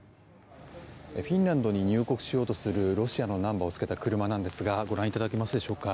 フィンランドに入国しようとするロシアのナンバーをつけた車なんですがご覧いただけますでしょうか。